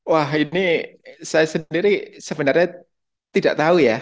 wah ini saya sendiri sebenarnya tidak tahu ya